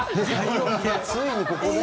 ついにここで？